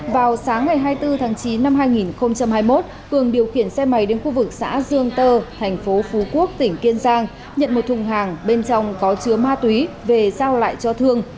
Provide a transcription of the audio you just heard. vào sáng ngày hai mươi bốn tháng chín năm hai nghìn hai mươi một cường điều khiển xe máy đến khu vực xã dương tơ thành phố phú quốc tỉnh kiên giang nhận một thùng hàng bên trong có chứa ma túy về giao lại cho thương